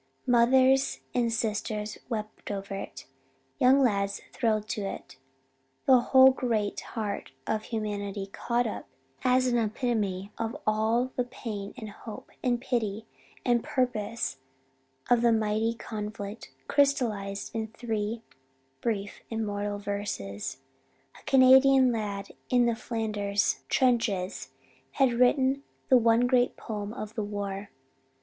Mothers and sisters wept over it, young lads thrilled to it, the whole great heart of humanity caught it up as an epitome of all the pain and hope and pity and purpose of the mighty conflict, crystallized in three brief immortal verses. A Canadian lad in the Flanders trenches had written the one great poem of the war.